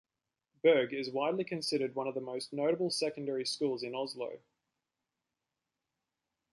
Berg is widely considered one of the most notable secondary schools in Oslo.